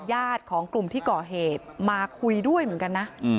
ญาติของกลุ่มที่ก่อเหตุมาคุยด้วยเหมือนกันนะ